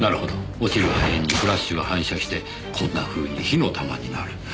落ちる破片にフラッシュが反射してこんなふうに火の玉になる。